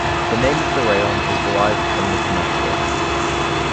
The name of the raion is derived from the Dniester.